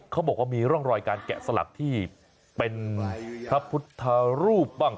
เขาบอกว่ามีร่องรอยการแกะสลักที่เป็นพระพุทธรูปบ้าง